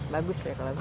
bagus ya kalau begitu